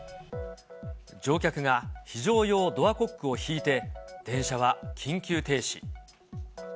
乗客が、非常用ドアコックを引いて、電車は緊急停止。